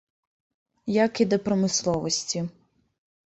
Як і да прамысловасці.